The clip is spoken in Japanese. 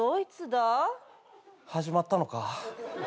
始まったのか？